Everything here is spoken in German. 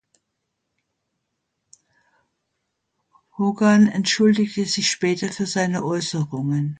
Hogan entschuldigte sich später für seine Äußerungen.